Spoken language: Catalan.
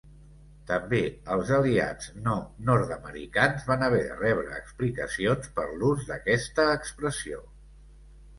També els aliats no nord-americans van haver de rebre explicacions per l'ús d'aquesta expressió.